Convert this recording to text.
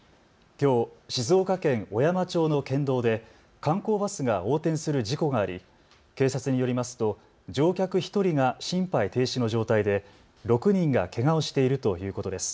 きょう静岡県小山町の県道で観光バスが横転する事故があり警察によりますと乗客１人が心肺停止の状態で６人がけがをしているということです。